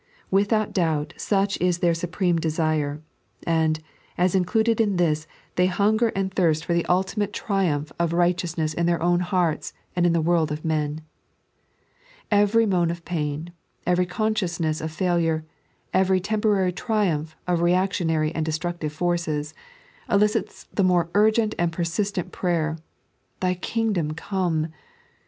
Without doubt, such is their supreme desire ; and, as included in this, they hunger and thirst for the ultimate 3.n.iized by Google A Noble Aspiration. 27 triampb of righteousnesa in their own hearts and in the world of men. Every moan of pain, every oonsdousness of failiire, every temporary triumph of reactionaiy and destructive forces — elicits the more urgent and persistent prayer, "Thy Kingdom come."